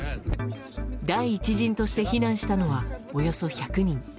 第１陣として避難したのはおよそ１００人。